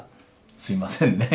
すいませんねぇ。